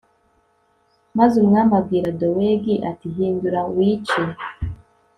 maze umwami abwira dowegi ati hindukira wice